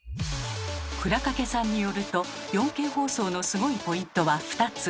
倉掛さんによると４Ｋ放送のスゴいポイントは２つ。